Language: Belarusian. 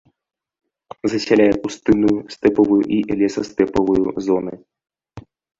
Засяляе пустынную, стэпавую і лесастэпавую зоны.